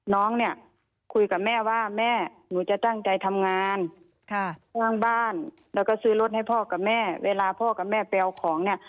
น้องเนี่ยคุยกับแม่ว่าแม่หนูจะตั้งใจทำงานสร้างบ้านแล้วก็ซื้อรถให้พ่อกับแม่เวลาพ่อกับแม่ไปเอาของเนี่ย